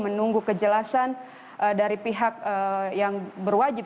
menunggu kejelasan dari pihak yang berwajib